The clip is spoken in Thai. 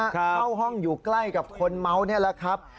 เข้าห้องอยู่ใกล้กับคนเมานี่แหละครับ